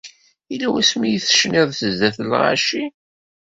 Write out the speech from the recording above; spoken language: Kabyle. Yella wasmi ay tecniḍ sdat lɣaci?